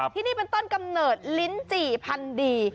ที่นี่เป็นต้นกำเนิดลิ้นจี่พันดี